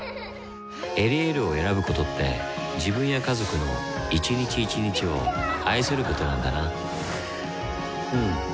「エリエール」を選ぶことって自分や家族の一日一日を愛することなんだなうん。